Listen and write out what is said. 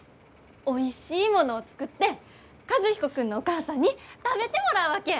おいしいものを作って和彦君のお母さんに食べてもらうわけ！